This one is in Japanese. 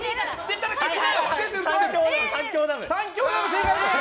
正解です！